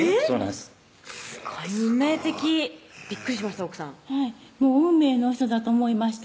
すごい運命的びっくりしました？